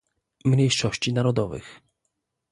Mniejszości Narodowych